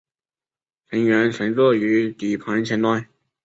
乘员乘坐于底盘前端。